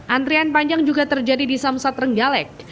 antrian panjang juga terjadi di samsat renggalek